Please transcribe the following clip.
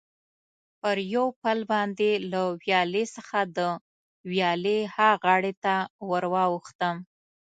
پر یو پل باندې له ویالې څخه د ویالې ها غاړې ته ور واوښتم.